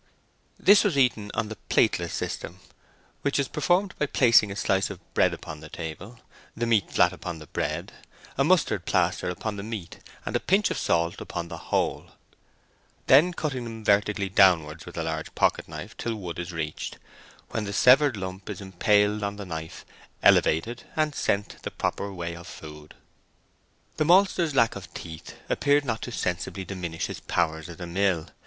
This was eaten on the plateless system, which is performed by placing a slice of bread upon the table, the meat flat upon the bread, a mustard plaster upon the meat, and a pinch of salt upon the whole, then cutting them vertically downwards with a large pocket knife till wood is reached, when the severed lump is impaled on the knife, elevated, and sent the proper way of food. The maltster's lack of teeth appeared not to sensibly diminish his powers as a mill.